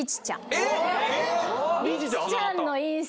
えっ⁉